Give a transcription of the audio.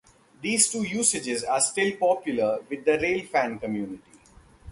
These two usages are still popular with the railfan community.